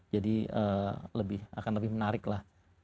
jadi akan lebih menarik lah